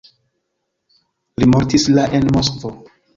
Li mortis la en Moskvo.